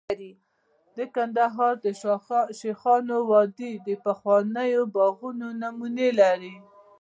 د کندهار د شیخانو وادي د پخوانیو باغونو نمونې لري